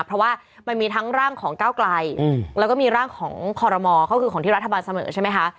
เพราะว่ามันมีทั้งร่างของก้าวไกลแล้วก็มีร่างของคอรมอก็คือของที่รัฐบาลเสมอใช่ไหมคะ